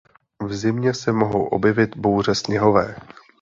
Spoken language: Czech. V zimě se mohou objevit bouře sněhové.